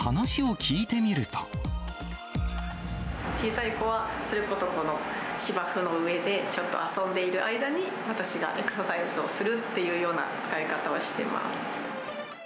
小さい子は、それこそ芝生の上でちょっと遊んでいる間に、私がエクササイズをするっていうような使い方をしてます。